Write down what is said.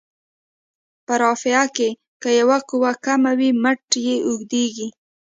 په رافعه کې که یوه قوه کمه وي مټ یې اوږد وي.